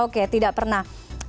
oke tidak pernah